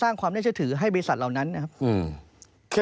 ความน่าเชื่อถือให้บริษัทเหล่านั้นนะครับ